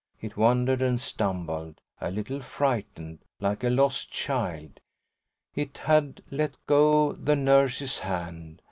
It wandered and stumbled, a little frightened, like a lost child it had let go the nurse's hand.